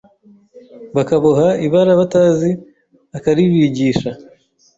bakaboha, ibara batazi akaribigisha,